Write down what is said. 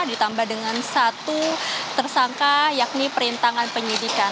ditambah dengan satu tersangka yakni perintangan penyidikan